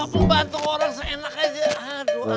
pembantu orang seenak aja